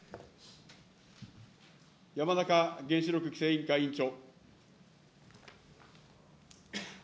山中原子力規制委員会委員長。